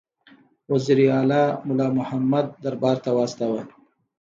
وزیر علي مُلا محمد دربار ته واستاوه.